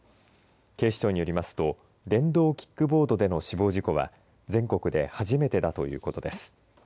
警視庁によりますと電動キックボードでの死亡事故は全国で初めてだということです。